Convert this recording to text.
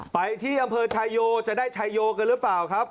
ไปที่อำเภอชายโยจะได้ชายโยกันหรือเปล่าครับ